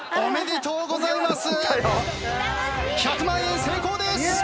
１００万円成功です！